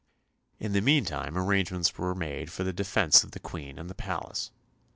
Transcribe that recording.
In the meantime arrangements were made for the defence of the Queen and the palace.